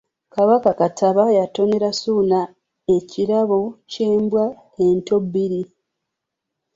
Kabaka Kattaba yatonera Ssuuna ekirabo ky’embwa ento bbiri.